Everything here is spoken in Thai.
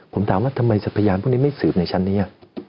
ผมถามว่าทำไมพยานพวกนี้ไม่สืบในชั้นนี้